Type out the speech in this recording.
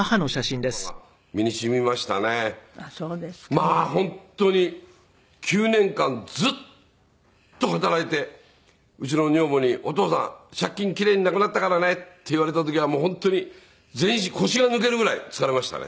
まあ本当に９年間ずっと働いてうちの女房に「お父さん借金奇麗になくなったからね」って言われた時は本当に腰が抜けるぐらい疲れましたね。